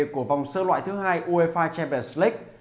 của vòng sơ loại thứ hai uefa champions league